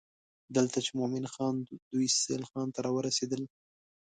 دلته چې مومن خان دوی سهیل ته راورسېدل.